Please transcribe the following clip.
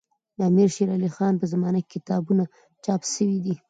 د امير شېر علي خان په زمانه کي کتابونه چاپ سوي دي.